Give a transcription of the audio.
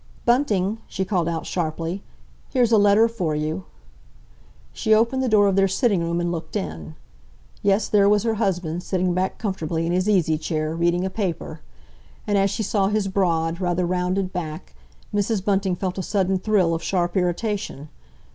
"Bunting!" she called out sharply. "Here's a letter for you." She opened the door of their sitting room and looked in. Yes, there was her husband, sitting back comfortably in his easy chair, reading a paper. And as she saw his broad, rather rounded back, Mrs. Bunting felt a sudden thrill of sharp irritation.